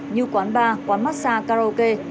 như quán bar quán massage karaoke